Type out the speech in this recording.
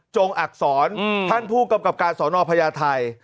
จงอักษรท่านผู้กรรมกรรมการสนพญาไทย